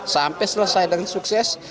sampai selesai dengan sukses